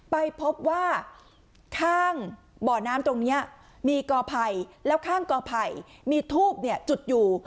ไปพบว่าข้างบ่อน้ำตรงนี้มีกอไผ่แล้วข้างกอไผ่มีทูบจุดอยู่